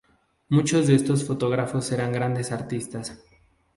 Muchos de estos fotógrafos eran grandes artistas.